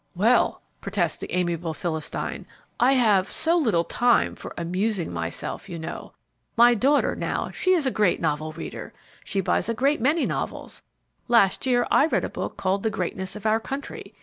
"Well," protests the amiable Philistine, "I have so little time for amusing myself, you know. My daughter, now, she is a great novel reader. She buys a great many novels. Last year I read a book called "The Greatness of Our Country."